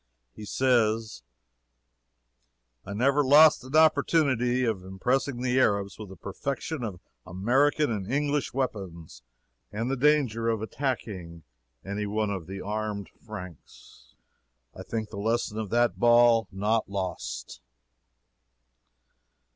He says: "I never lost an opportunity of impressing the Arabs with the perfection of American and English weapons, and the danger of attacking any one of the armed Franks. I think the lesson of that ball not lost."